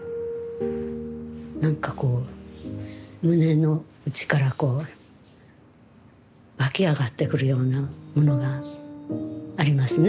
何かこう胸の内からこうわき上がってくるようなものがありますね